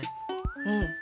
うん。